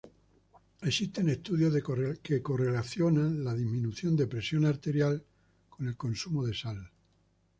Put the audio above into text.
Existen estudios que correlacionan la disminución de presión arterial con el consumo de sal.